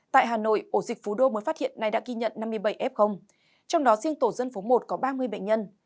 tại hà nội ổ dịch phú đô mới phát hiện nay đã ghi nhận năm mươi bảy f trong đó riêng tổ dân phố một có ba mươi bệnh nhân